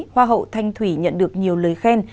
hoa hậu thanh thủy nhận được nhiều lời khen